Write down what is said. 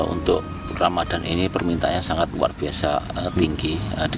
untuk ramadan ini permintaannya sangat luar biasa tinggi